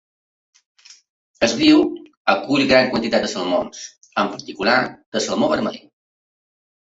El riu acull gran quantitat de salmons, en particular de salmó vermell.